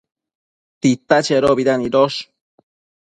Tita chedobida nidosh?